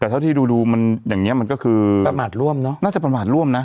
แต่เท่าที่ดูดูมันอย่างเงี้มันก็คือประมาทร่วมเนอะน่าจะประมาทร่วมนะ